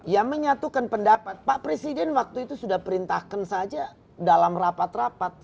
ya menyatukan pendapat pak presiden waktu itu sudah perintahkan saja dalam rapat rapat